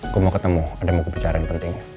gue mau ketemu ada yang mau gue bicara yang penting